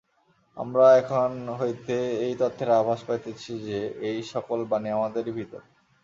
আমরা এখান হইতে এই তত্ত্বের আভাস পাইতেছি যে, এই-সকল বাণী আমাদেরই ভিতরে।